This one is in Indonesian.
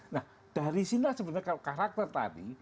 nah dari sinilah sebenarnya kalau karakter tadi